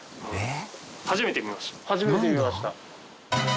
初めて見ました？